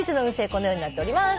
このようになっております。